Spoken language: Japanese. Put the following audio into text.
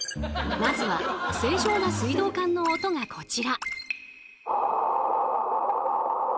まずは正常な水道管の音がこちら。